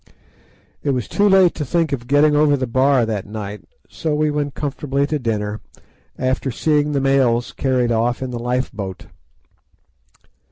It was too late to think of getting over the Bar that night, so we went comfortably to dinner, after seeing the Mails carried off in the life boat.